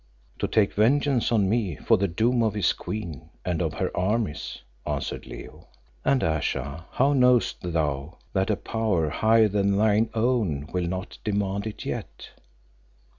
"To take vengeance on me for the doom of his queen and of her armies," answered Leo, "and Ayesha, how knowest thou that a Power higher than thine own will not demand it yet?"